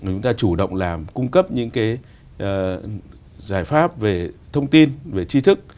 chúng ta chủ động làm cung cấp những cái giải pháp về thông tin về chi thức